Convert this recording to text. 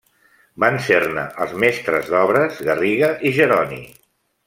Van ser-ne els mestres d'obres Garriga i Jeroni.